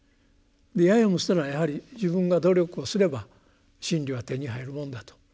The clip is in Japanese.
ややもしたらやはり自分が努力をすれば真理は手に入るもんだと。